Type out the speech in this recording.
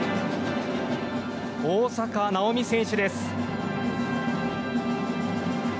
大坂なおみ選手です。